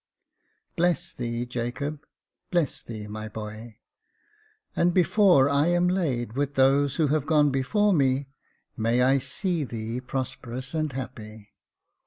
Bless thee, Jacob ! bless thee, my boy ! and before I am laid with those who have gone before me, may I see thee prosperous and happy